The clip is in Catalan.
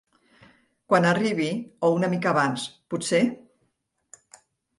Quan arribi, o una mica abans, potser?